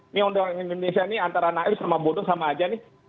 ini undang undang indonesia antara naib sama bodoh sama aja nih